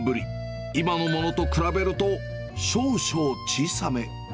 今のものと比べると、少々小さめ。